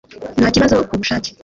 nabikoze kubushake